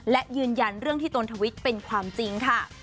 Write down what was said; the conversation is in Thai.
และยืนยันเรื่องที่ตนทวิตเป็นความจริงค่ะ